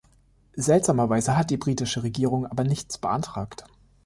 Seltsamerweise hat die britische Regierung aber nichts beantragt.